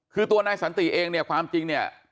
คือตัวนายสันติเองเนี่ยความจริงเนี่ย